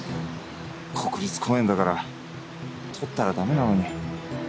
国立公園だから採ったらだめなのに。